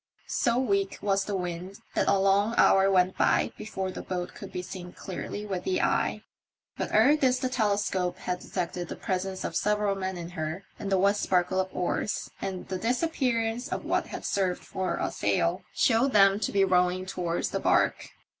So weak was the wind that a long hour went by before the boat could be seen clearly with the eye ; but ere this the telescope had detected the presence of several men in her, and the wet sparkle of oars, and the disappearance of what had served for a sail, showed them to be rowing towards the barque.